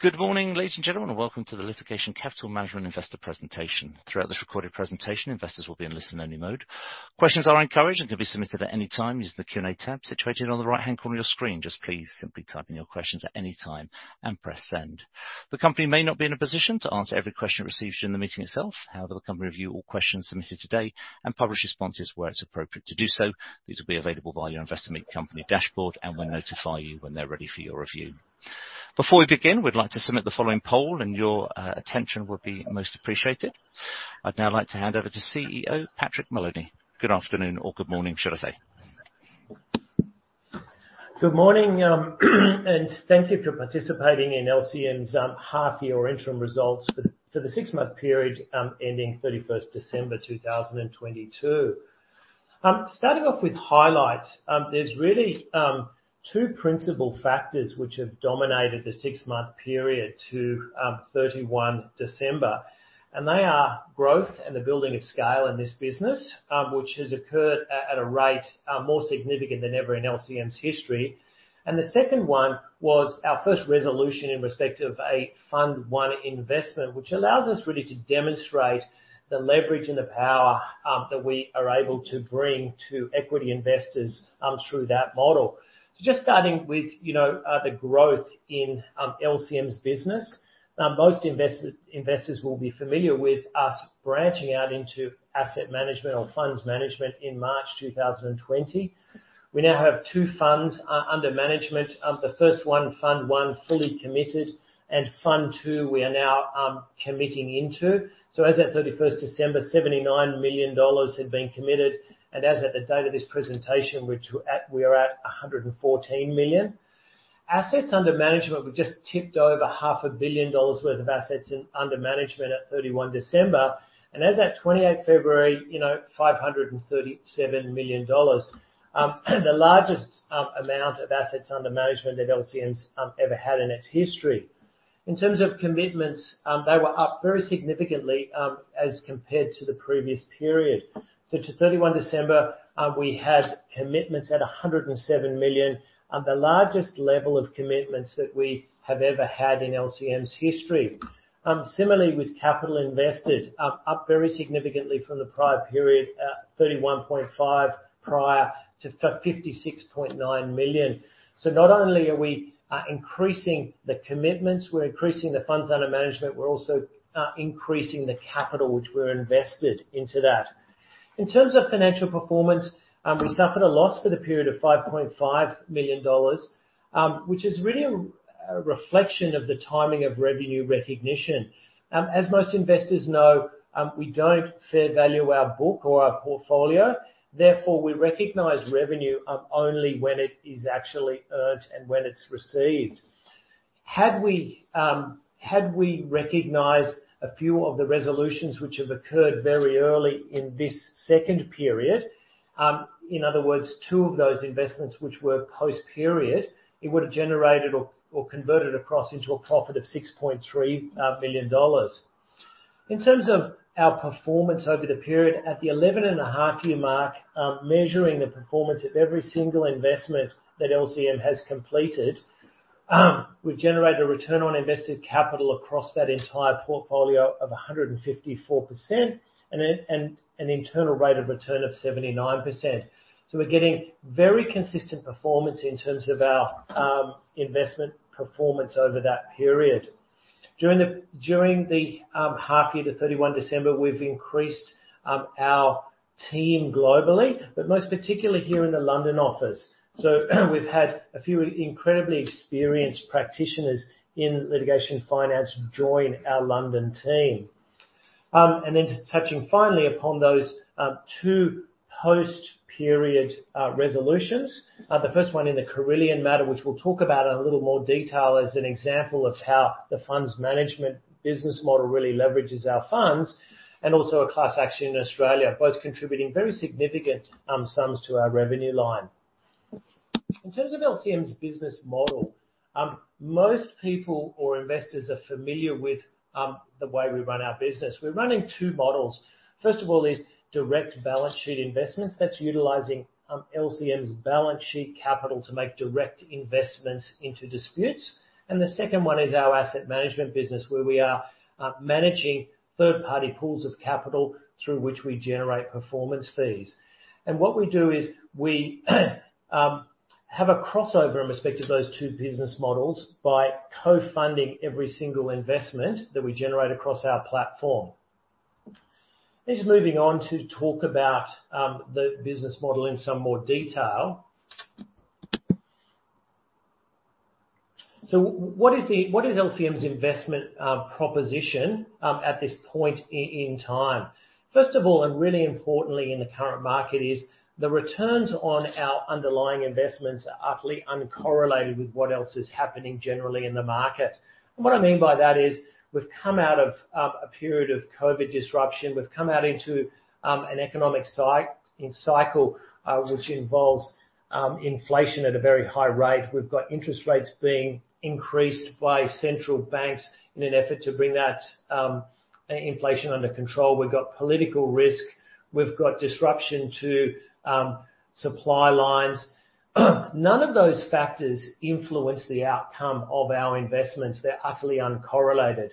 Good morning, ladies and gentlemen. Welcome to the Litigation Capital Management investor presentation. Throughout this recorded presentation, investors will be in listen only mode. Questions are encouraged and can be submitted at any time using the Q&A tab situated on the right-hand corner of your screen. Please simply type in your questions at any time and press send. The company may not be in a position to answer every question received during the meeting itself. The company review all questions submitted today and publish responses where it's appropriate to do so. These will be available via your Investor Meet Company dashboard, and we'll notify you when they're ready for your review. Before we begin, we'd like to submit the following poll, and your attention would be most appreciated. I'd now like to hand over to CEO Patrick Moloney. Good afternoon or good morning, should I say. Good morning, and thank you for participating in LCM's half-year interim results for the six-month period ending 31st December 2022. Starting off with highlights, there's really two principal factors which have dominated the six-month period to 31 December, and they are growth and the building of scale in this business, which has occurred at a rate more significant than ever in LCM's history. The second one was our first resolution in respect of a Fund I investment, which allows us really to demonstrate the leverage and the power that we are able to bring to equity investors through that model. Just starting with, you know, the growth in LCM's business. Most investors will be familiar with us branching out into asset management or funds management in March 2020. We now have two funds under management. The first one, Fund I, fully committed, and Fund II, we are now committing into. As at 31st December, $79 million had been committed, and as at the date of this presentation, which we're at, we are at $114 million. Assets under management, we've just tipped over half a billion dollars worth of assets in under management at 31 December. As at 28th February, you know, $537 million. The largest amount of assets under management that LCM's ever had in its history. In terms of commitments, they were up very significantly as compared to the previous period. To 31 December, we had commitments at $107 million, the largest level of commitments that we have ever had in LCM's history. Similarly, with capital invested, up very significantly from the prior period, $31.5 prior to $56.9 million. Not only are we increasing the commitments, we're increasing the funds under management, we're also increasing the capital which we're invested into that. In terms of financial performance, we suffered a loss for the period of $5.5 million, which is really a reflection of the timing of revenue recognition. As most investors know, we don't fair value our book or our portfolio, therefore, we recognize revenue, only when it is actually earned and when it's received. Had we, had we recognized a few of the resolutions which have occurred very early in this second period, in other words, two of those investments which were post-period, it would have generated or converted across into a profit of $6.3 million. In terms of our performance over the period, at the 11 and a half year mark, measuring the performance of every single investment that LCM has completed, we've generated a return on invested capital across that entire portfolio of 154% and an internal rate of return of 79%. We're getting very consistent performance in terms of our investment performance over that period. During the half year to 31 December, we've increased our team globally, but most particularly here in the London office. We've had a few incredibly experienced practitioners in litigation finance join our London team. Just touching finally upon those two post-period resolutions. The first one in the Carillion matter, which we'll talk about in a little more detail as an example of how the funds management business model really leverages our funds, also a class action in Australia, both contributing very significant sums to our revenue line. LCM's business model, most people or investors are familiar with the way we run our business. We're running two models. First of all is direct balance sheet investments. That's utilizing LCM's balance sheet capital to make direct investments into disputes. The second one is our asset management business, where we are managing third-party pools of capital through which we generate performance fees. What we do is we have a crossover in respect to those two business models by co-funding every single investment that we generate across our platform. Just moving on to talk about the business model in some more detail. What is the, what is LCM's investment proposition at this point in time? First of all, and really importantly in the current market, is the returns on our underlying investments are utterly uncorrelated with what else is happening generally in the market. What I mean by that is we've come out of a period of COVID disruption. We've come out into an economic cycle, which involves inflation at a very high rate. We've got interest rates being increased by central banks in an effort to bring that inflation under control. We've got political risk. We've got disruption to supply lines. None of those factors influence the outcome of our investments. They're utterly uncorrelated.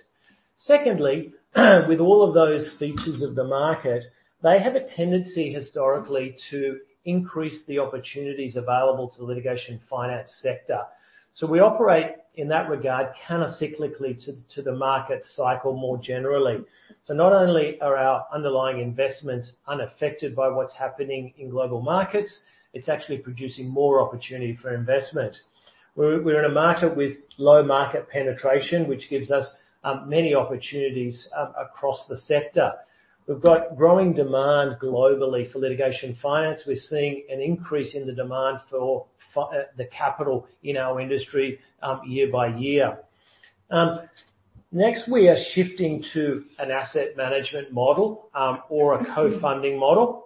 With all of those features of the market, they have a tendency, historically, to increase the opportunities available to the litigation finance sector. We operate, in that regard, countercyclically to the market cycle more generally. Not only are our underlying investments unaffected by what's happening in global markets, it's actually producing more opportunity for investment. We're in a market with low market penetration, which gives us many opportunities across the sector. We've got growing demand globally for litigation finance. We're seeing an increase in the demand for the capital in our industry year by year. Next, we are shifting to an asset management model, or a co-funding model,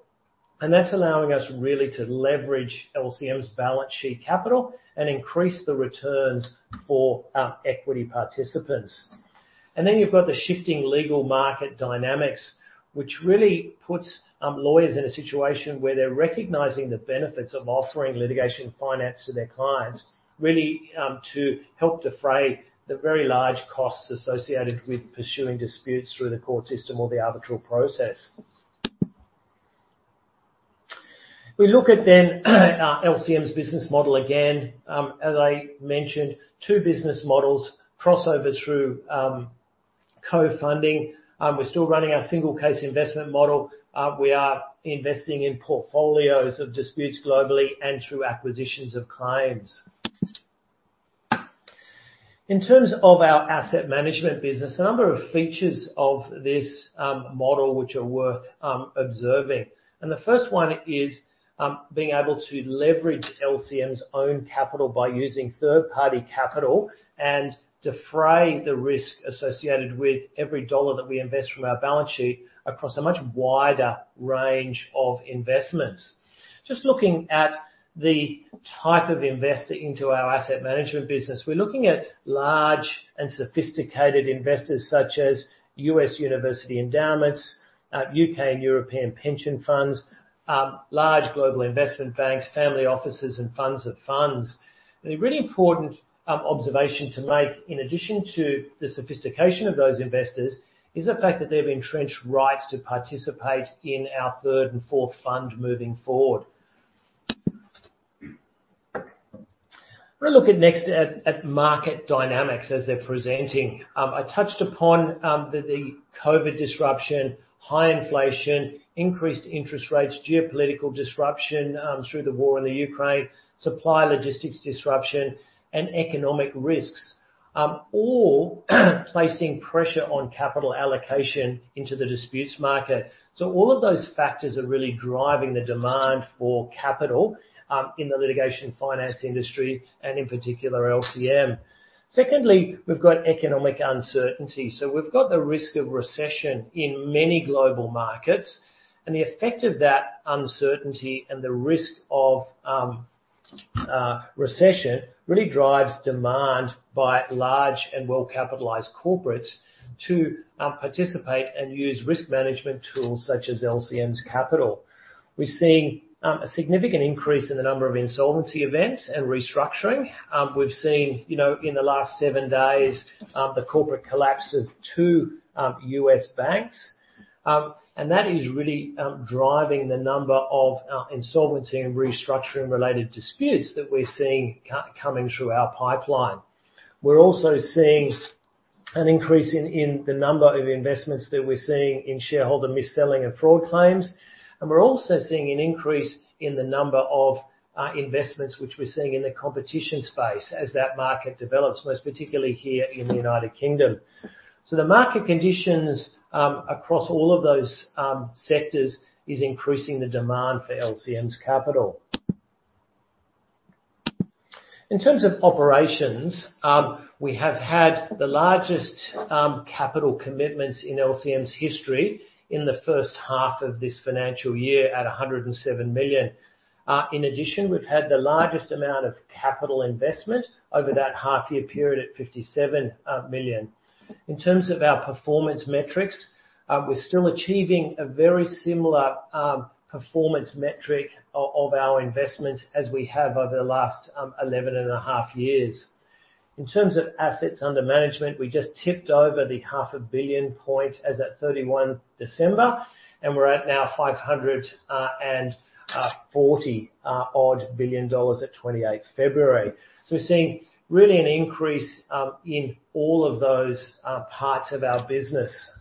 that's allowing us really to leverage LCM's balance sheet capital and increase the returns for our equity participants. You've got the shifting legal market dynamics, which really puts lawyers in a situation where they're recognizing the benefits of offering litigation finance to their clients, really, to help defray the very large costs associated with pursuing disputes through the court system or the arbitral process. We look at then our LCM's business model again. As I mentioned, two business models cross over through co-funding. We're still running our single case investment model. We are investing in portfolios of disputes globally and through acquisitions of claims. In terms of our asset management business, a number of features of this model which are worth observing. The first one is being able to leverage LCM's own capital by using third-party capital and defray the risk associated with every dollar that we invest from our balance sheet across a much wider range of investments. Just looking at the type of investor into our asset management business, we're looking at large and sophisticated investors such as U.S. university endowments, U.K. and European pension funds, large global investment banks, family offices, and funds of funds. A really important observation to make, in addition to the sophistication of those investors, is the fact that they have entrenched rights to participate in our third and fourth fund moving forward. We look at next at market dynamics as they're presenting. I touched upon the COVID disruption, high inflation, increased interest rates, geopolitical disruption through the war in the Ukraine, supply logistics disruption, and economic risks, all placing pressure on capital allocation into the disputes market. All of those factors are really driving the demand for capital in the litigation finance industry and in particular LCM. Secondly, we've got economic uncertainty. We've got the risk of recession in many global markets, and the effect of that uncertainty and the risk of recession really drives demand by large and well-capitalized corporates to participate and use risk management tools such as LCM's capital. We're seeing a significant increase in the number of insolvency events and restructuring. We've seen, you know, in the last seven days, the corporate collapse of two U.S. banks. That is really driving the number of insolvency and restructuring related disputes that we're seeing coming through our pipeline. We're also seeing an increase in the number of investments that we're seeing in shareholder mis-selling and fraud claims. We're also seeing an increase in the number of investments which we're seeing in the competition space as that market develops, most particularly here in the United Kingdom. The market conditions across all of those sectors is increasing the demand for LCM's capital. In terms of operations, we have had the largest capital commitments in LCM's history in the first half of this financial year at 107 million. In addition, we've had the largest amount of capital investment over that half year period at 57 million. In terms of our performance metrics, we're still achieving a very similar performance metric of our investments as we have over the last 11 and a half years. In terms of assets under management, we just tipped over the AUD half a billion point as at 31 December. We're at now 540 odd billion dollars at 28 February. We're seeing really an increase in all of those parts of our business.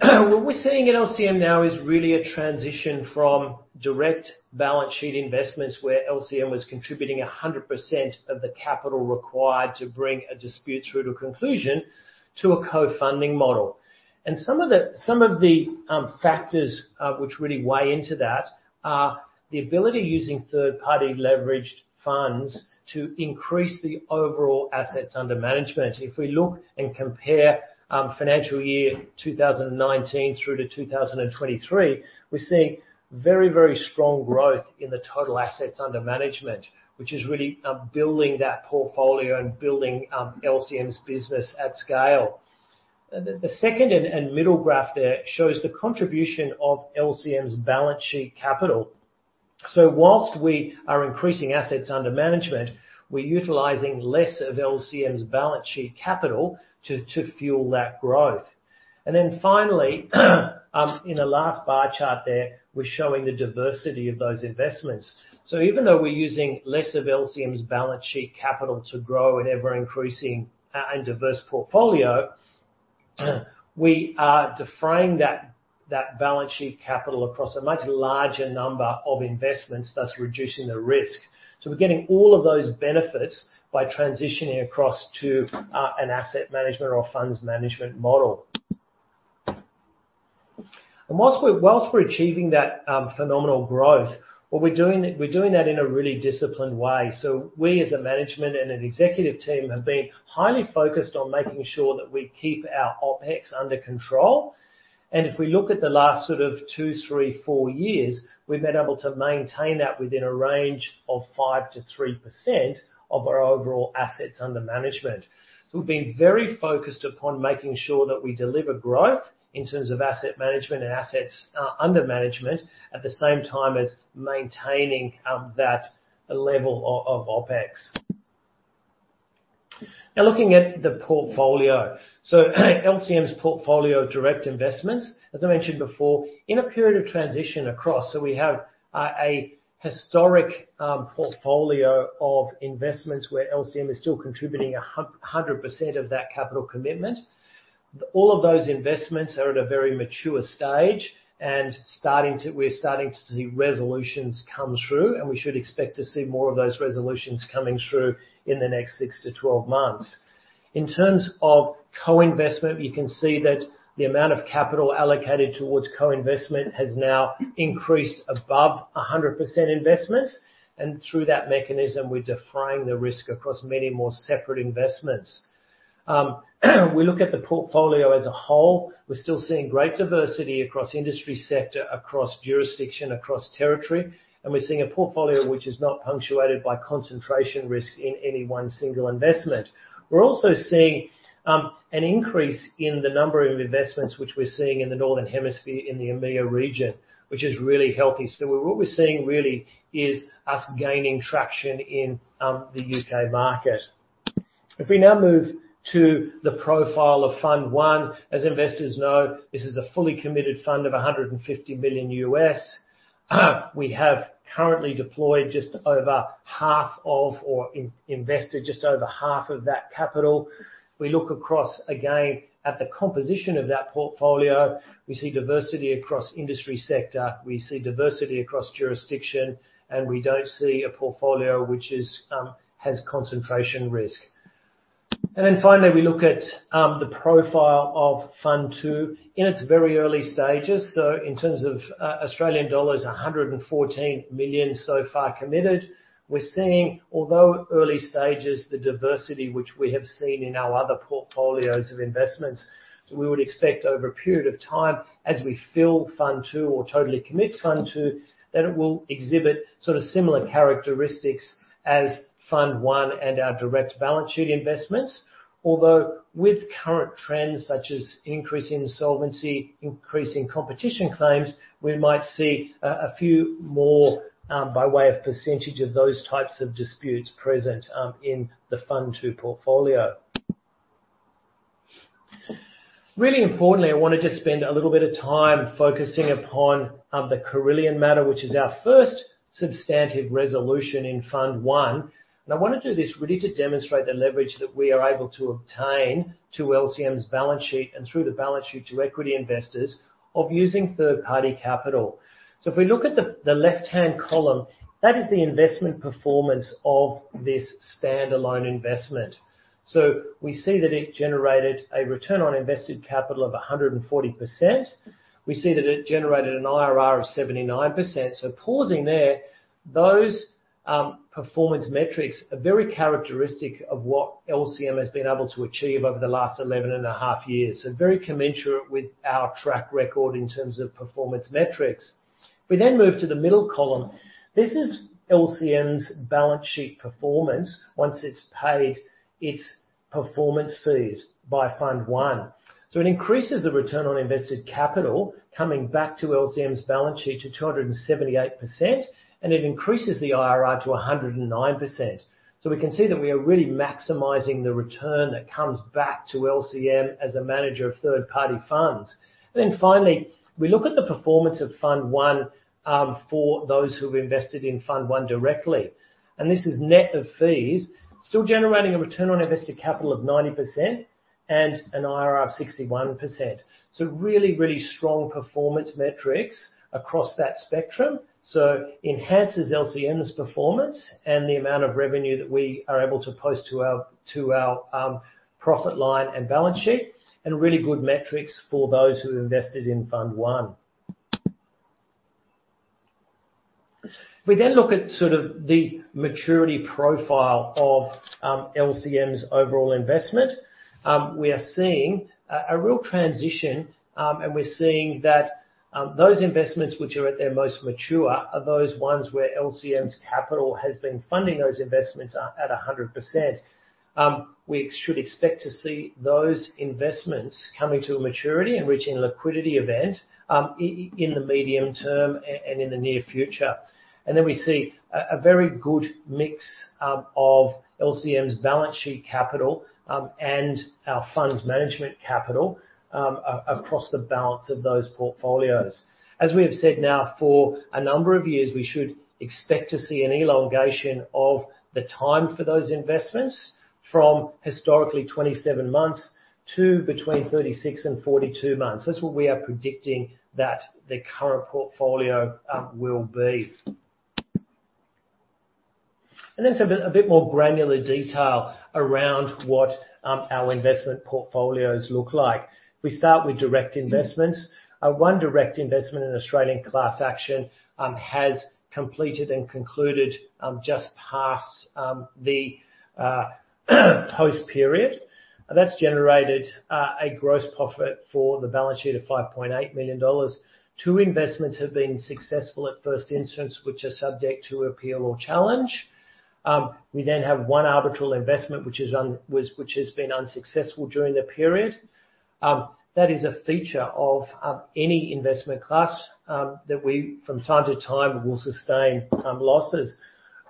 What we're seeing at LCM now is really a transition from direct balance sheet investments, where LCM was contributing 100% of the capital required to bring a dispute through to conclusion, to a co-funding model. Some of the factors which really weigh into that are the ability using third-party leveraged funds to increase the overall assets under management. If we look and compare, financial year 2019 through to 2023, we're seeing very, very strong growth in the total assets under management, which is really building that portfolio and building LCM's business at scale. The second and middle graph there shows the contribution of LCM's balance sheet capital. Whilst we are increasing assets under management, we're utilizing less of LCM's balance sheet capital to fuel that growth. Finally, in the last bar chart there, we're showing the diversity of those investments. Even though we're using less of LCM's balance sheet capital to grow an ever-increasing and diverse portfolio, we are deferring that balance sheet capital across a much larger number of investments, thus reducing the risk. We're getting all of those benefits by transitioning across to an asset management or funds management model. Whilst we're achieving that phenomenal growth, what we're doing, we're doing that in a really disciplined way. We, as a management and an executive team, have been highly focused on making sure that we keep our OpEx under control. If we look at the last sort of 2, 3, 4 years, we've been able to maintain that within a range of 5%-3% of our overall assets under management. We've been very focused upon making sure that we deliver growth in terms of asset management and assets under management, at the same time as maintaining that level of OpEx. Looking at the portfolio. LCM's portfolio of direct investments, as I mentioned before, in a period of transition across, so we have a historic portfolio of investments where LCM is still contributing 100% of that capital commitment. All of those investments are at a very mature stage and starting to see resolutions come through, and we should expect to see more of those resolutions coming through in the next 6-12 months. In terms of co-investment, you can see that the amount of capital allocated towards co-investment has now increased above 100% investments, and through that mechanism, we're deferring the risk across many more separate investments. We look at the portfolio as a whole. We're still seeing great diversity across industry sector, across jurisdiction, across territory, and we're seeing a portfolio which is not punctuated by concentration risk in any one single investment. We're also seeing an increase in the number of investments which we're seeing in the Northern Hemisphere, in the EMEA region, which is really healthy. What we're seeing really is us gaining traction in the U.K. market. If we now move to the profile of Fund I, as investors know, this is a fully committed fund of $150 million. We have currently deployed just over half of, or invested just over half of that capital. We look across again at the composition of that portfolio. We see diversity across industry sector, we see diversity across jurisdiction, and we don't see a portfolio which is has concentration risk. Finally, we look at the profile of Fund II. In its very early stages, so in terms of Australian dollars 114 million so far committed. We're seeing, early stages, the diversity which we have seen in our other portfolios of investments, we would expect over a period of time, as we fill Fund II or totally commit Fund II, that it will exhibit sort of similar characteristics as Fund I and our direct balance sheet investments. With current trends such as increase in insolvency, increase in competition claims, we might see a few more by way of % of those types of disputes present in the Fund II portfolio. Really importantly, I wanted to spend a little bit of time focusing upon the Carillion matter, which is our first substantive resolution in Fund I. I wanna do this really to demonstrate the leverage that we are able to obtain to LCM's balance sheet and through the balance sheet to equity investors of using third-party capital. If we look at the left-hand column, that is the investment performance of this standalone investment. We see that it generated a return on invested capital of 140%. We see that it generated an IRR of 79%. Pausing there, those performance metrics are very characteristic of what LCM has been able to achieve over the last 11.5 years. Very commensurate with our track record in terms of performance metrics. If we then move to the middle column, this is LCM's balance sheet performance once it's paid its performance fees by Fund I. It increases the return on invested capital coming back to LCM's balance sheet to 278%, and it increases the IRR to 109%. We can see that we are really maximizing the return that comes back to LCM as a manager of third-party funds. Finally, we look at the performance of Fund I for those who've invested in Fund I directly, and this is net of fees, still generating a return on invested capital of 90%. An IRR of 61%. Really, really strong performance metrics across that spectrum. Enhances LCM's performance and the amount of revenue that we are able to post to our profit line and balance sheet, and really good metrics for those who have invested in Fund I. We look at sort of the maturity profile of LCM's overall investment. We are seeing a real transition, and we're seeing that those investments which are at their most mature are those ones where LCM's capital has been funding those investments at 100%. We should expect to see those investments coming to a maturity and reaching a liquidity event in the medium term and in the near future. We see a very good mix of LCM's balance sheet capital and our funds management capital across the balance of those portfolios. As we have said now for a number of years, we should expect to see an elongation of the time for those investments from historically 27 months to between 36 and 42 months. That's what we are predicting that the current portfolio will be. A bit more granular detail around what our investment portfolios look like. We start with direct investments. One direct investment in Australian class action has completed and concluded just past the post period. That's generated a gross profit for the balance sheet of 5.8 million dollars. Two investments have been successful at first instance, which are subject to appeal or challenge. We then have one arbitral investment which has been unsuccessful during the period. That is a feature of any investment class that we from time to time will sustain losses.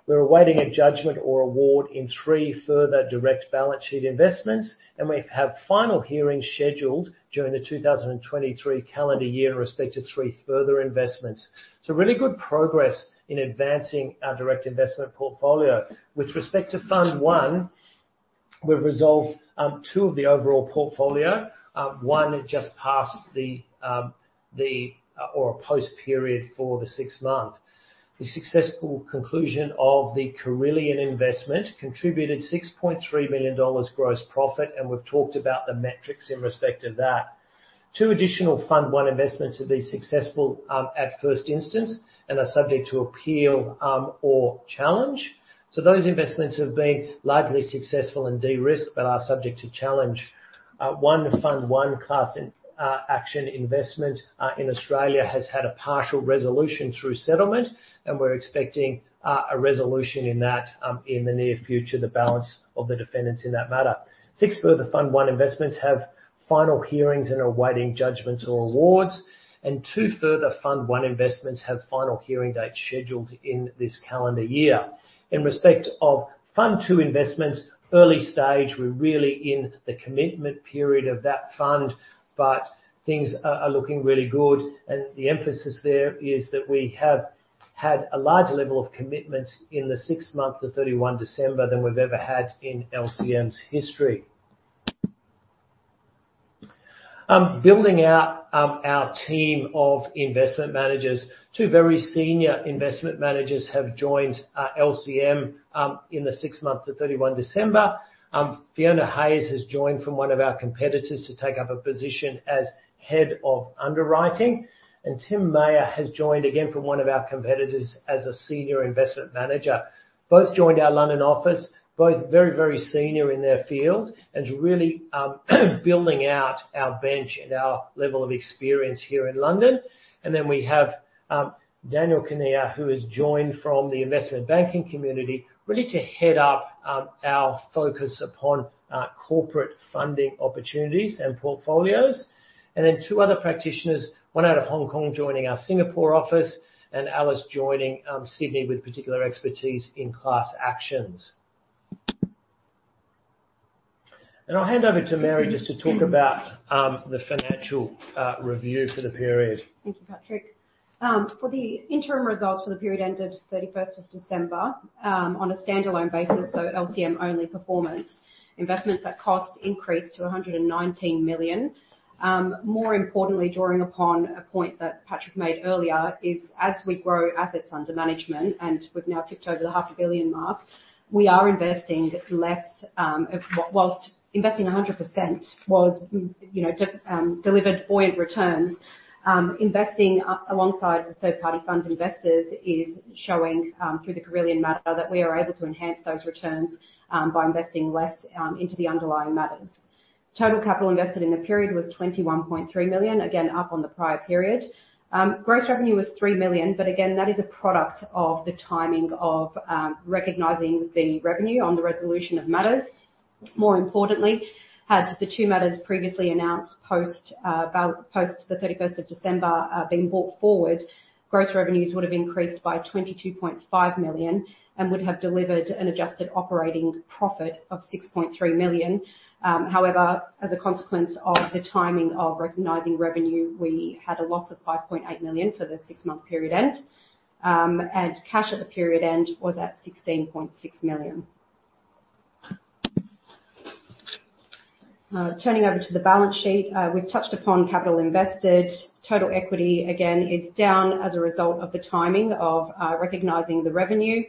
We're awaiting a judgment or award in 3 further direct balance sheet investments. We have final hearings scheduled during the 2023 calendar year in respect to 3 further investments. Really good progress in advancing our direct investment portfolio. With respect to Fund I, we've resolved 2 of the overall portfolio. 1 just passed the, or post period for the 6th month. The successful conclusion of the Carillion investment contributed $6.3 million gross profit, and we've talked about the metrics in respect to that. 2 additional Fund I investments have been successful at first instance and are subject to appeal or challenge. Those investments have been largely successful and de-risked but are subject to challenge. One Fund I class action investment in Australia has had a partial resolution through settlement. We're expecting a resolution in that in the near future, the balance of the defendants in that matter. Six further Fund I investments have final hearings and are awaiting judgments or awards. Two further Fund I investments have final hearing dates scheduled in this calendar year. In respect of Fund II investments, early stage, we're really in the commitment period of that fund. Things are looking really good, and the emphasis there is that we have had a large level of commitments in the 6th month to 31 December than we've ever had in LCM's history. Building out our team of investment managers, two very senior investment managers have joined LCM in the 6th month to 31 December. Fiona Hayes has joined from one of our competitors to take up a position as head of underwriting. Timothy Mayer has joined again from one of our competitors as a senior investment manager. Both joined our London office, both very, very senior in their field and really building out our bench and our level of experience here in London. We have Danny Kinnear, who has joined from the investment banking community, ready to head up our focus upon corporate funding opportunities and portfolios. Two other practitioners, one out of Hong Kong, joining our Singapore office, and Alice joining Sydney with particular expertise in class actions. I'll hand over to Mary just to talk about the financial review for the period. Thank you, Patrick. For the interim results for the period ended 31st of December, on a standalone basis, LCM only performance, investments at cost increased to 119 million. More importantly, drawing upon a point that Patrick made earlier, is as we grow assets under management, and we've now tipped over the GBP half a billion mark, we are investing less. Whilst investing 100% was, you know, delivered buoyant returns, investing up alongside the third-party funds invested is showing through the Carillion matter that we are able to enhance those returns by investing less into the underlying matters. Total capital invested in the period was 21.3 million, again, up on the prior period. Gross revenue was 3 million. Again, that is a product of the timing of recognizing the revenue on the resolution of matters. More importantly, had the two matters previously announced post the 31st of December been brought forward, gross revenues would have increased by 22.5 million and would have delivered an adjusted operating profit of 6.3 million. However, as a consequence of the timing of recognizing revenue, we had a loss of 5.8 million for the six-month period end. Cash at the period end was at 16.6 million. Turning over to the balance sheet, we've touched upon capital invested. Total equity, again, is down as a result of the timing of recognizing the revenue.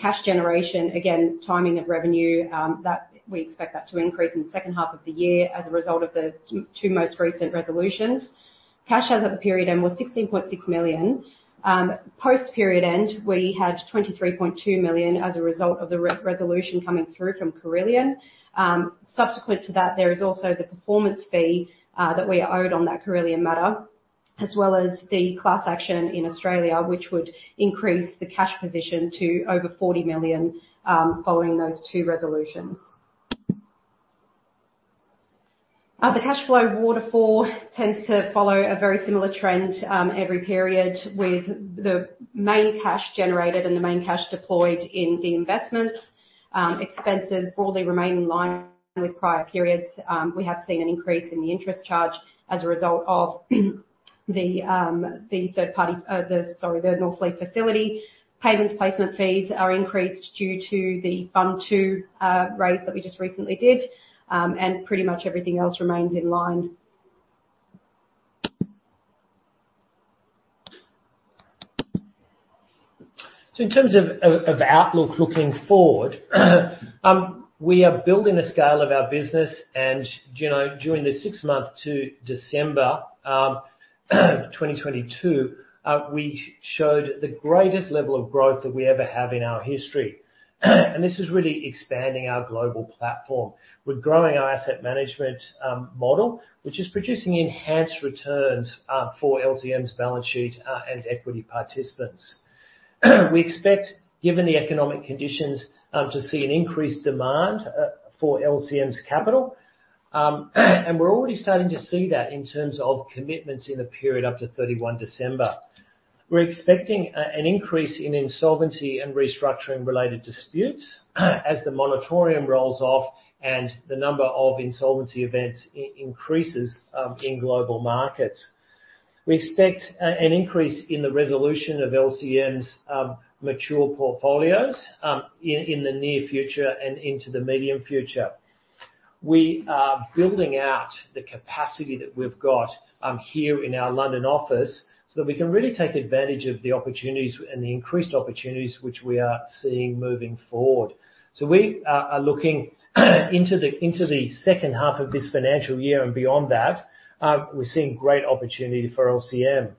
Cash generation, again, timing of revenue, that we expect that to increase in the second half of the year as a result of the two most recent resolutions. Cash as of the period end was 16.6 million. Post-period end, we had 23.2 million as a result of the resolution coming through from Carillion. Subsequent to that, there is also the performance fee that we are owed on that Carillion matter, as well as the class action in Australia, which would increase the cash position to over 40 million following those two resolutions. The cash flow waterfall tends to follow a very similar trend every period with the main cash generated and the main cash deployed in the investment. Expenses broadly remain in line with prior periods. We have seen an increase in the interest charge as a result of the third party, the Northleaf facility. Placement fees are increased due to Fund II raise that we just recently did. Pretty much everything else remains in line. In terms of outlook looking forward, we are building the scale of our business and, you know, during the 6 months to December 2022, we showed the greatest level of growth that we ever have in our history. This is really expanding our global platform. We're growing our asset management model, which is producing enhanced returns for LCM's balance sheet and equity participants. We expect, given the economic conditions, to see an increased demand for LCM's capital. We're already starting to see that in terms of commitments in the period up to 31 December. We're expecting an increase in insolvency and restructuring related disputes as the moratorium rolls off and the number of insolvency events increases in global markets. We expect an increase in the resolution of LCM's mature portfolios in the near future and into the medium future. We are building out the capacity that we've got here in our London office so that we can really take advantage of the opportunities and the increased opportunities which we are seeing moving forward. We are looking into the second half of this financial year, and beyond that, we're seeing great opportunity for LCM.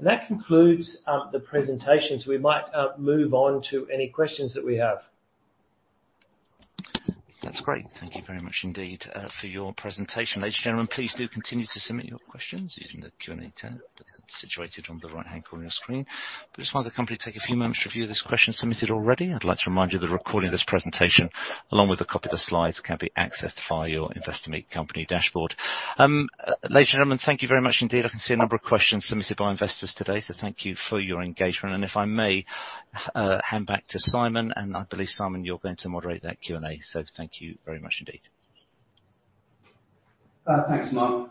That concludes the presentation. We might move on to any questions that we have. That's great. Thank you very much indeed for your presentation. Ladies and gentlemen, please do continue to submit your questions using the Q&A tab situated on the right-hand corner of your screen. We just want the company to take a few moments to review those questions submitted already. I'd like to remind you that a recording of this presentation, along with a copy of the slides, can be accessed via your Investor Meet Company dashboard. Ladies and gentlemen, thank you very much indeed. I can see a number of questions submitted by investors today, so thank you for your engagement. If I may hand back to Simon, and I believe, Simon, you're going to moderate that Q&A. Thank you very much indeed. Thanks, Mark.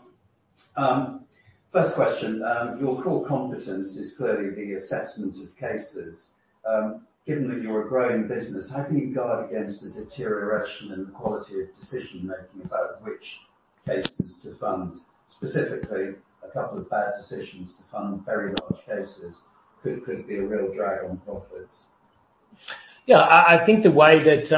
First question. Your core competence is clearly the assessment of cases. Given that you're a growing business, how can you guard against the deterioration in the quality of decision-making about which cases to fund? Specifically, a couple of bad decisions to fund very large cases could be a real drag on profits. I think the way that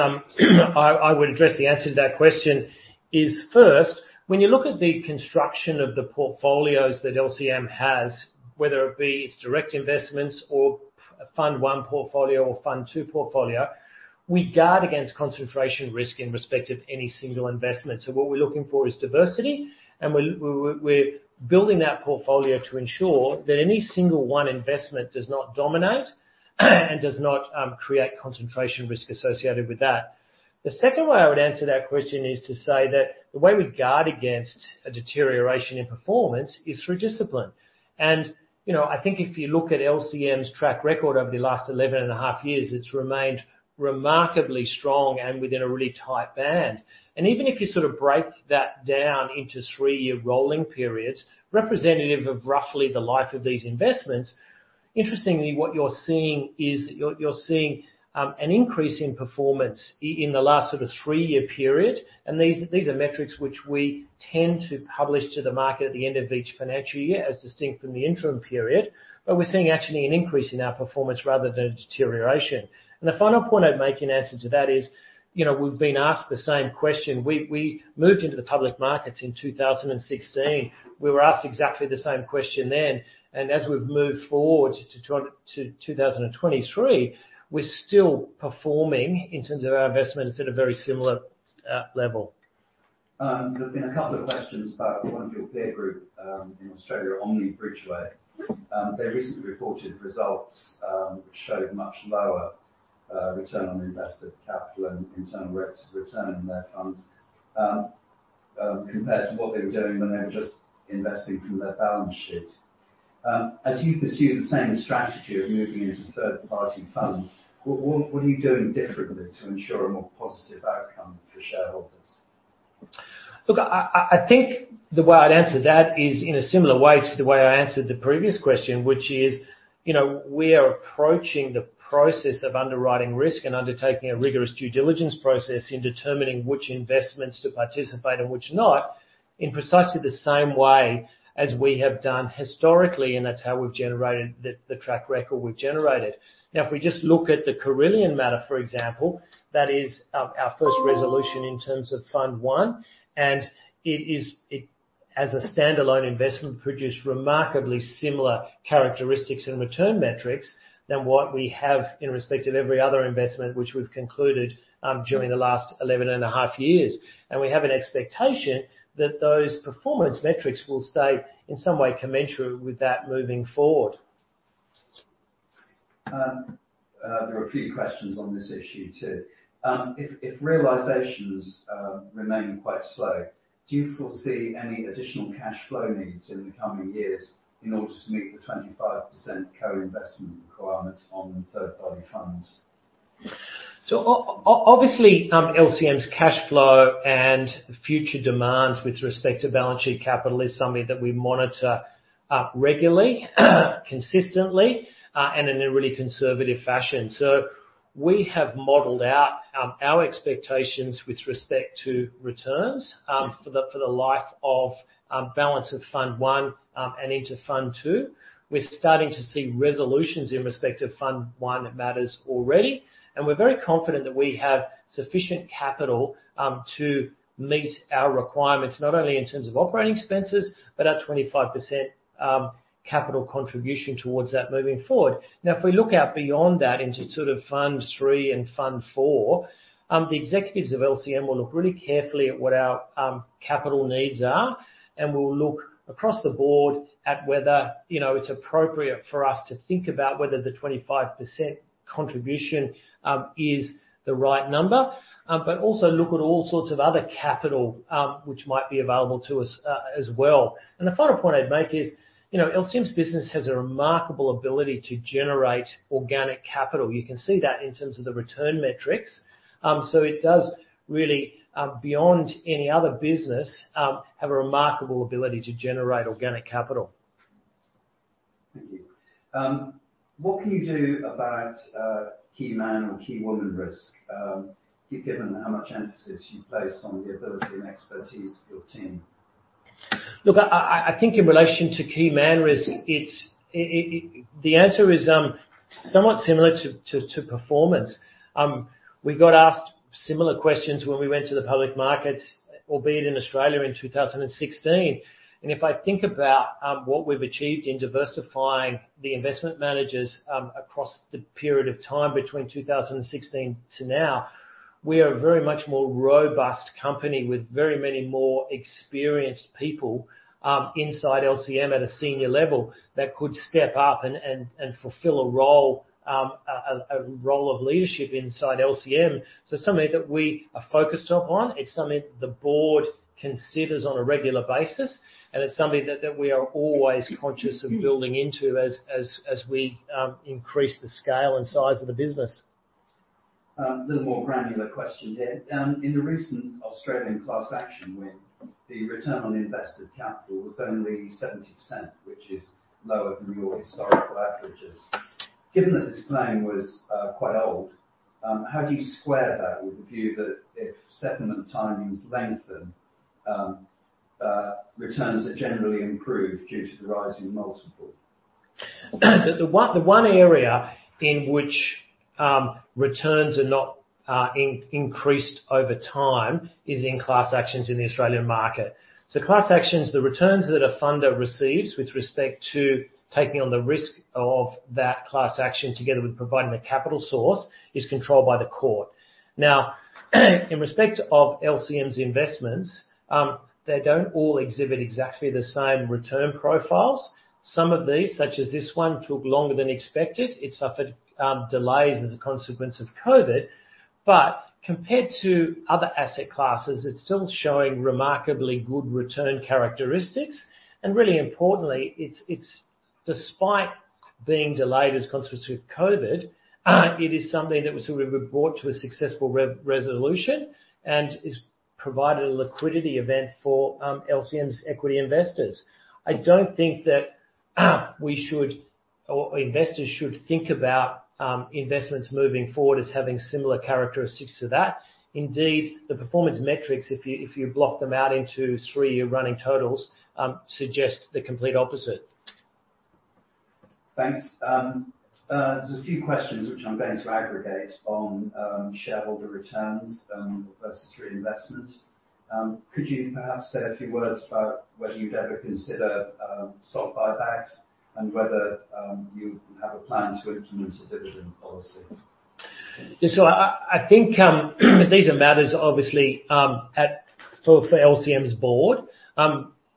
I would address the answer to that question is, first, when you look at the construction of the portfolios that LCM has, whether it be its direct investments or Fund I portfolio or Fund II portfolio, we guard against concentration risk in respect of any single investment. What we're looking for is diversity, and we're building that portfolio to ensure that any single one investment does not dominate and does not create concentration risk associated with that. The second way I would answer that question is to say that the way we guard against a deterioration in performance is through discipline. You know, I think if you look at LCM's track record over the last 11.5 years, it's remained remarkably strong and within a really tight band. Even if you sort of break that down into 3-year rolling periods, representative of roughly the life of these investments, interestingly, what you're seeing is you're seeing an increase in performance in the last sort of 3-year period. These are metrics which we tend to publish to the market at the end of each financial year, as distinct from the interim period. We're seeing actually an increase in our performance rather than a deterioration. The final point I'd make in answer to that is, you know, we've been asked the same question. We moved into the public markets in 2016. We were asked exactly the same question then. As we've moved forward to 2023, we're still performing in terms of our investments at a very similar level. There's been a couple of questions about one of your peer group in Australia, Omni Bridgeway. They recently reported results which showed much lower return on invested capital and internal rates of return on their funds compared to what they were doing when they were just investing from their balance sheet. As you pursue the same strategy of moving into third-party funds, what are you doing differently to ensure a more positive outcome for shareholders? Look, I think the way I'd answer that is in a similar way to the way I answered the previous question, which is, you know, we are approaching the process of underwriting risk and undertaking a rigorous due diligence process in determining which investments to participate and which not, in precisely the same way as we have done historically, and that's how we've generated the track record we've generated. Now, if we just look at the Carillion matter, for example, that is our first resolution in terms of Fund I, and it is, as a standalone investment, produced remarkably similar characteristics and return metrics than what we have in respect of every other investment which we've concluded during the last 11.5 years. We have an expectation that those performance metrics will stay in some way commensurate with that moving forward. There are a few questions on this issue too. If realizations, remain quite slow, do you foresee any additional cash flow needs in the coming years in order to meet the 25% co-investment requirement on third-party funds? Obviously, LCM's cash flow and future demands with respect to balance sheet capital is something that we monitor regularly, consistently, and in a really conservative fashion. We have modeled out our expectations with respect to returns for the life of balance of Fund I and into Fund II. We're starting to see resolutions in respect to Fund I that matters already, and we're very confident that we have sufficient capital to meet our requirements, not only in terms of operating expenses, but our 25% capital contribution towards that moving forward. Now, if we look out beyond that into sort of Fund III and Fund IV, the executives of LCM will look really carefully at what our capital needs are, and we'll look across the board at whether, you know, it's appropriate for us to think about whether the 25% contribution is the right number, but also look at all sorts of other capital which might be available to us as well. The final point I'd make is, you know, LCM's business has a remarkable ability to generate organic capital. You can see that in terms of the return metrics. It does really, beyond any other business, have a remarkable ability to generate organic capital. Thank you. What can you do about key man or key woman risk, given how much emphasis you place on the ability and expertise of your team? Look, I think in relation to key man risk, it's. The answer is somewhat similar to performance. We got asked similar questions when we went to the public markets, albeit in Australia in 2016. If I think about what we've achieved in diversifying the investment managers across the period of time between 2016 to now, we are a very much more robust company with very many more experienced people inside LCM at a senior level that could step up and fulfill a role, a role of leadership inside LCM. It's something that we are focused up on, it's something the board considers on a regular basis, and it's something that we are always conscious of building into as we increase the scale and size of the business. Little more granular question here. In the recent Australian class action when the return on invested capital was only 70%, which is lower than your historical averages. Given that this claim was quite old, how do you square that with the view that if settlement timings lengthen, returns are generally improved due to the rise in multiple? The one area in which returns are not increased over time is in class actions in the Australian market. Class actions, the returns that a funder receives with respect to taking on the risk of that class action together with providing the capital source is controlled by the court. In respect of LCM's investments, they don't all exhibit exactly the same return profiles. Some of these, such as this one, took longer than expected. It suffered delays as a consequence of COVID. Compared to other asset classes, it's still showing remarkably good return characteristics. Really importantly, it's despite being delayed as a consequence of COVID, it is something that was sort of brought to a successful resolution and has provided a liquidity event for LCM's equity investors. I don't think that we should or investors should think about investments moving forward as having similar characteristics to that. Indeed, the performance metrics, if you block them out into three-year running totals, suggest the complete opposite. Thanks. There's a few questions which I'm going to aggregate on shareholder returns versus reinvestment. Could you perhaps say a few words about whether you'd ever consider stock buybacks and whether you have a plan to implement a dividend policy? I think, these are matters obviously, for LCM's board.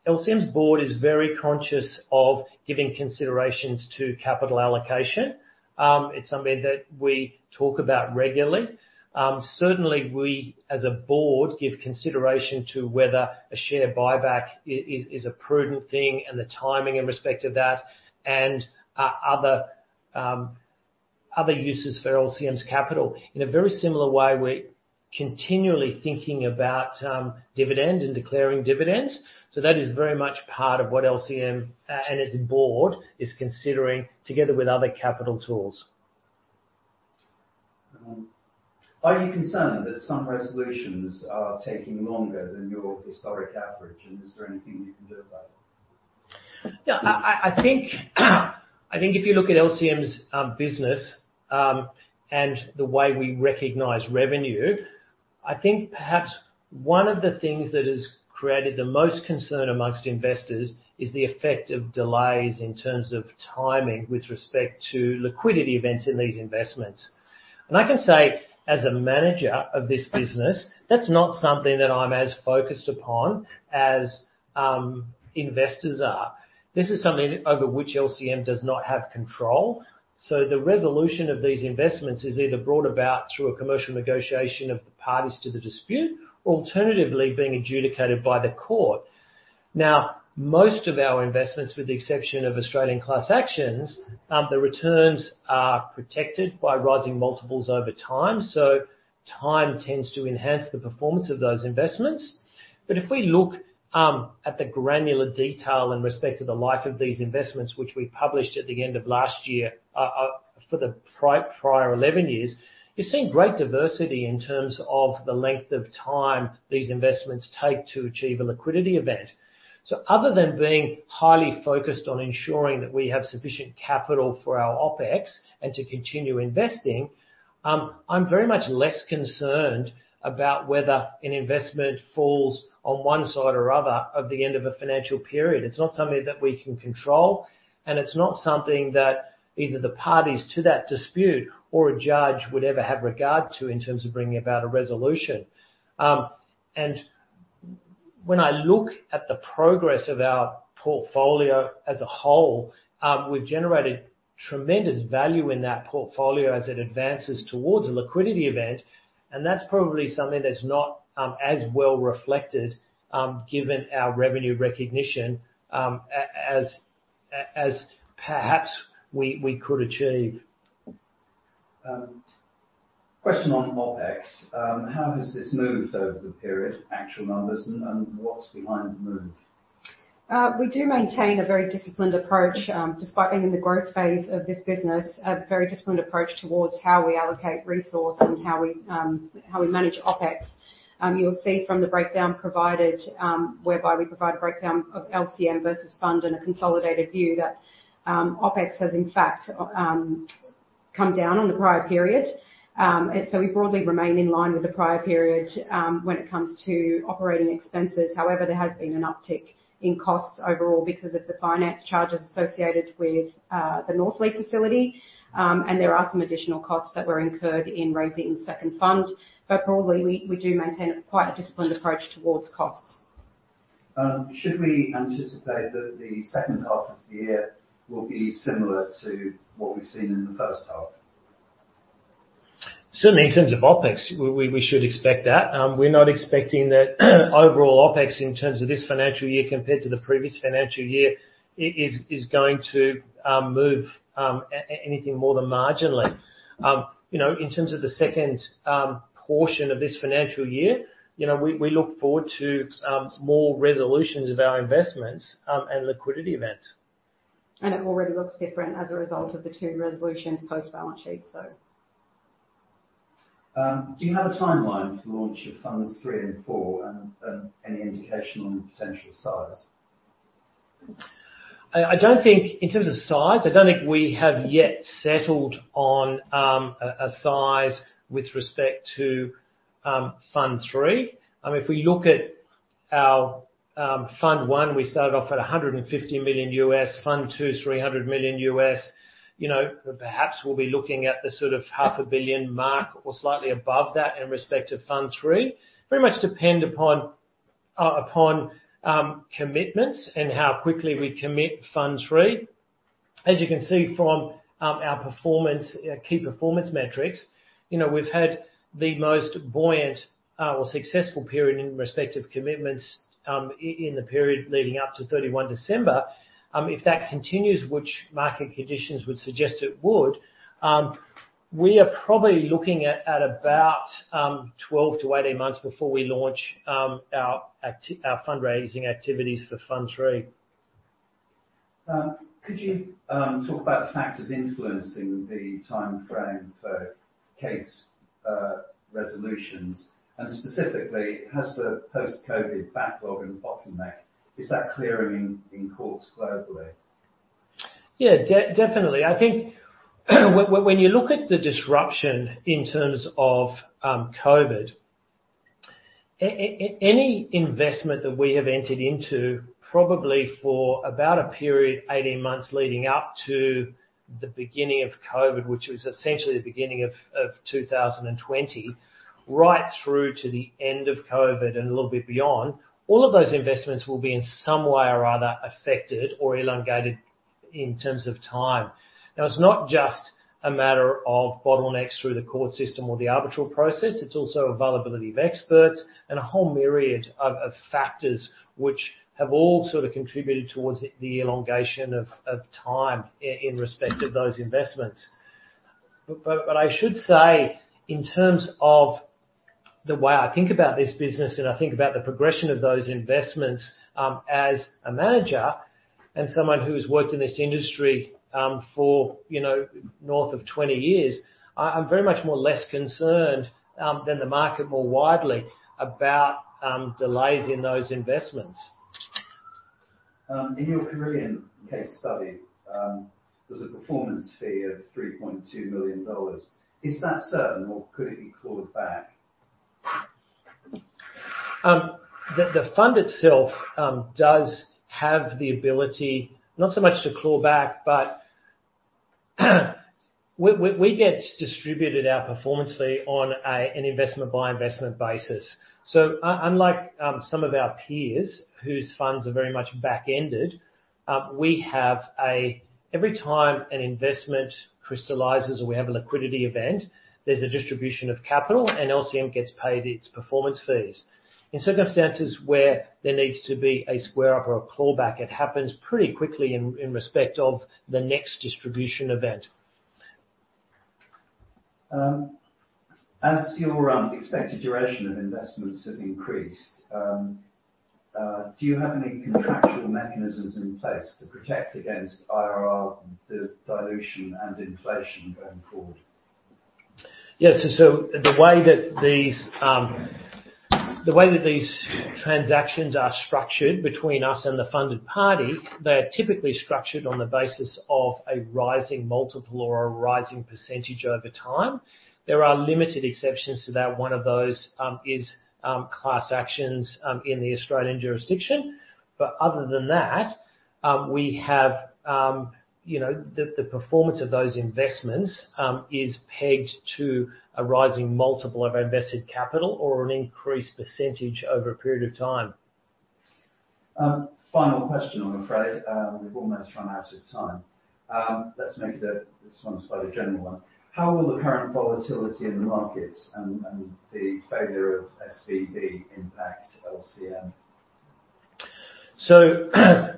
LCM's board is very conscious of giving considerations to capital allocation. It's something that we talk about regularly. Certainly we as a board give consideration to whether a share buyback is a prudent thing and the timing in respect to that and Other uses for LCM's capital. In a very similar way, we're continually thinking about, dividend and declaring dividends. That is very much part of what LCM and its board is considering together with other capital tools. Are you concerned that some resolutions are taking longer than your historic average, and is there anything you can do about it? Yeah. I think if you look at LCM's business, and the way we recognize revenue, I think perhaps one of the things that has created the most concern amongst investors is the effect of delays in terms of timing with respect to liquidity events in these investments. I can say, as a manager of this business, that's not something that I'm as focused upon as investors are. This is something over which LCM does not have control, the resolution of these investments is either brought about through a commercial negotiation of the parties to the dispute, or alternatively, being adjudicated by the court. Now, most of our investments, with the exception of Australian class actions, the returns are protected by rising multiples over time tends to enhance the performance of those investments. If we look at the granular detail in respect to the life of these investments, which we published at the end of last year, for the prior 11 years, you're seeing great diversity in terms of the length of time these investments take to achieve a liquidity event. Other than being highly focused on ensuring that we have sufficient capital for our OpEx and to continue investing, I'm very much less concerned about whether an investment falls on one side or other of the end of a financial period. It's not something that we can control, and it's not something that either the parties to that dispute or a judge would ever have regard to in terms of bringing about a resolution. When I look at the progress of our portfolio as a whole, we've generated tremendous value in that portfolio as it advances towards a liquidity event, that's probably something that's not as well reflected, given our revenue recognition, as perhaps we could achieve. Question on OpEx. How has this moved over the period, actual numbers, and what's behind the move? We do maintain a very disciplined approach, despite being in the growth phase of this business, a very disciplined approach towards how we allocate resource and how we manage OpEx. You'll see from the breakdown provided, whereby we provide a breakdown of LCM versus fund and a consolidated view that OpEx has in fact come down on the prior period. We broadly remain in line with the prior period when it comes to operating expenses. However, there has been an uptick in costs overall because of the finance charges associated with the Northleaf facility, and there are some additional costs that were incurred in raising the second fund, but broadly we do maintain quite a disciplined approach towards costs. Should we anticipate that the second half of the year will be similar to what we've seen in the first half? Certainly, in terms of OpEx, we should expect that. We're not expecting that overall OpEx in terms of this financial year compared to the previous financial year is going to move anything more than marginally. You know, in terms of the second portion of this financial year, you know, we look forward to more resolutions of our investments and liquidity events. It already looks different as a result of the two resolutions post balance sheet. Do you have a timeline for launch of Fund III and Fund IV, any indication on potential size? In terms of size, I don't think we have yet settled on a size with respect to Fund III. I mean, if we look at our Fund I, we started off at $150 million. Fund II, $300 million. You know, perhaps we'll be looking at the sort of half a billion mark or slightly above that in respect to Fund III. Very much depend upon commitments and how quickly we commit Fund III. As you can see from our performance, key performance metrics, you know, we've had the most buoyant or successful period in respect of commitments in the period leading up to 31 December. If that continues, which market conditions would suggest it would, we are probably looking at about 12 to 18 months before we launch our fundraising activities for Fund III. Could you talk about the factors influencing the timeframe for case resolutions? Specifically, has the post-COVID backlog and bottleneck, is that clearing in courts globally? Yeah, definitely. I think when you look at the disruption in terms of COVID, any investment that we have entered into, probably for about a period 18 months leading up to the beginning of COVID, which was essentially the beginning of 2020, right through to the end of COVID and a little bit beyond, all of those investments will be in some way or rather affected or elongated in terms of time. It's not just a matter of bottlenecks through the court system or the arbitral process. It's also availability of experts and a whole myriad of factors which have all sort of contributed towards the elongation of time in respect of those investments. I should say, in terms of the way I think about this business, and I think about the progression of those investments, as a manager and someone who's worked in this industry, for, you know, north of 20 years, I'm very much more less concerned than the market more widely about delays in those investments. In your Carillion case study, there's a performance fee of $3.2 million. Is that certain or could it be clawed back? The fund itself does have the ability not so much to clawback, but we get distributed our performance fee on an investment-by-investment basis. Unlike some of our peers whose funds are very much backended, we have Every time an investment crystallizes or we have a liquidity event, there's a distribution of capital and LCM gets paid its performance fees. In circumstances where there needs to be a square-up or a clawback, it happens pretty quickly in respect of the next distribution event. As your expected duration of investments has increased, do you have any contractual mechanisms in place to protect against IRR dilution and inflation going forward? The way that these transactions are structured between us and the funded party, they're typically structured on the basis of a rising multiple or a rising percentage over time. There are limited exceptions to that. One of those is class actions in the Australian jurisdiction. Other than that, we have, you know. The performance of those investments is pegged to a rising multiple of our invested capital or an increased percentage over a period of time. Final question, I'm afraid. We've almost run out of time. This one's quite a general one. How will the current volatility in the markets and the failure of SVB impact LCM?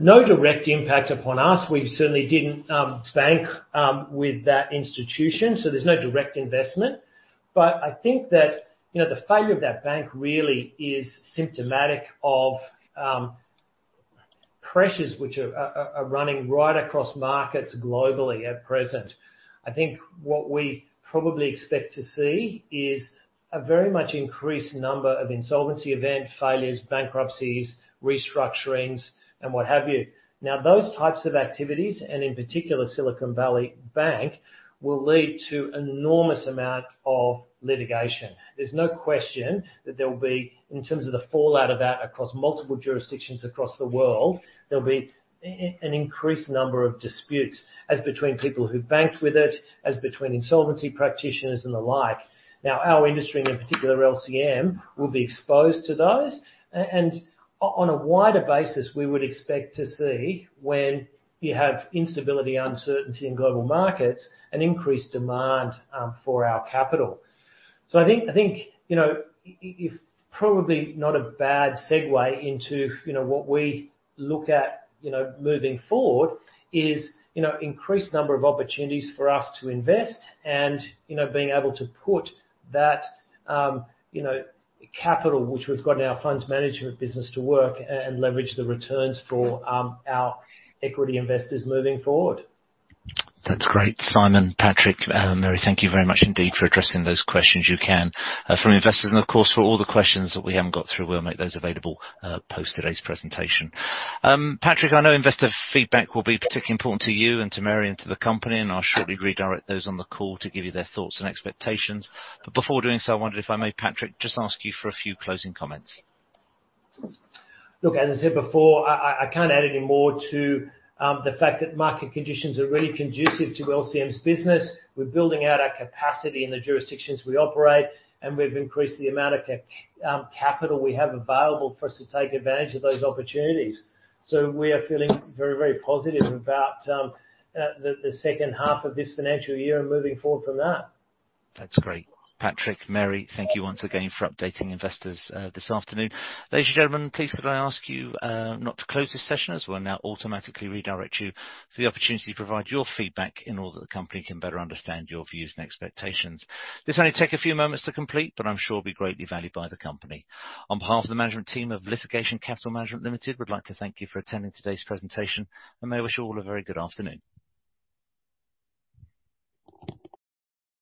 No direct impact upon us. We certainly didn't bank with that institution, so there's no direct investment. I think that, you know, the failure of that bank really is symptomatic of pressures which are running right across markets globally at present. I think what we probably expect to see is a very much increased number of insolvency event failures, bankruptcies, restructurings, and what have you. Those types of activities, and in particular Silicon Valley Bank, will lead to an enormous amount of litigation. There's no question that there will be, in terms of the fallout of that across multiple jurisdictions across the world, there'll be an increased number of disputes as between people who banked with it, as between insolvency practitioners and the like. Our industry, and in particular LCM, will be exposed to those. On a wider basis, we would expect to see when you have instability, uncertainty in global markets, an increased demand for our capital. I think, you know, it's probably not a bad segue into, you know, what we look at, you know, moving forward, is, you know, increased number of opportunities for us to invest and, you know, being able to put that, you know, capital which we've got in our funds management business to work and leverage the returns for our equity investors moving forward. That's great. Simon, Patrick, Mary, thank you very much indeed for addressing those questions you can. From investors and of course, for all the questions that we haven't got through, we'll make those available, post today's presentation. Patrick, I know investor feedback will be particularly important to you and to Mary and to the company, and I'll shortly redirect those on the call to give you their thoughts and expectations. Before doing so, I wonder if I may, Patrick, just ask you for a few closing comments. Look, as I said before, I can't add any more to the fact that market conditions are really conducive to LCM's business. We're building out our capacity in the jurisdictions we operate, and we've increased the amount of capital we have available for us to take advantage of those opportunities. We are feeling very, very positive about the second half of this financial year and moving forward from that. That's great. Patrick, Mary, thank you once again for updating investors this afternoon. Ladies and gentlemen, please could I ask you not to close this session as we'll now automatically redirect you for the opportunity to provide your feedback in order that the company can better understand your views and expectations. This'll only take a few moments to complete, but I'm sure it'll be greatly valued by the company. On behalf of the management team of Litigation Capital Management Limited, we'd like to thank you for attending today's presentation and may I wish you all a very good afternoon.